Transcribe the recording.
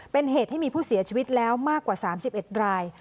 เป็นเหตุให้มีผู้เสียชีวิตแล้วมากกว่า๓๑ราย